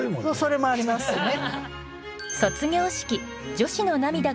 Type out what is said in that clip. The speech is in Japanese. それもありますしね。